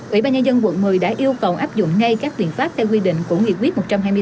ủy ban nhân dân quận một mươi đã yêu cầu áp dụng ngay các biện pháp theo quy định của nghị quyết một trăm hai mươi bốn